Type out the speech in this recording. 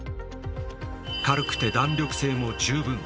軽くて弾力性も十分。